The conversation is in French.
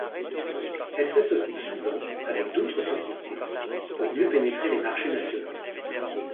Elle s'associe souvent avec d'autres sociétés pour mieux pénétrer les marchés nationaux.